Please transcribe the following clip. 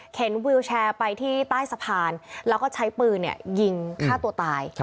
วิวแชร์ไปที่ใต้สะพานแล้วก็ใช้ปืนยิงฆ่าตัวตาย